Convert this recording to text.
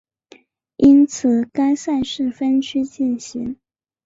因此该赛事分区进行。